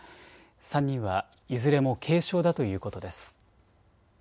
３人はいずれも軽症だということです。